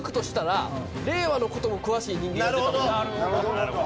なるほど！